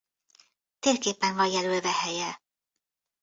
Térképen van jelölve helye.